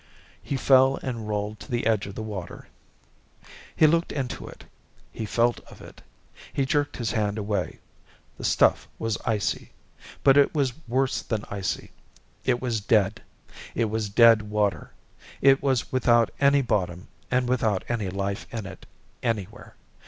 He fell and rolled to the edge of the water. He looked into it. He felt of it. He jerked his hand away. The stuff was icy. But it was worse than icy. It was dead. It was dead water. It was without any bottom, and without any life in it anywhere.